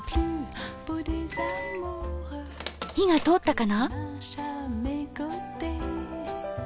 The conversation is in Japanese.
火が通ったかな？